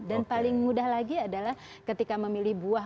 dan paling mudah lagi adalah ketika memilih buah